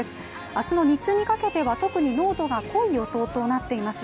明日の日中にかけては特に濃度が濃い予想となっています。